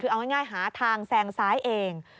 คือเอาง่ายหาทางแซงซ้ายเอง